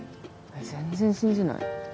えっ全然信じない。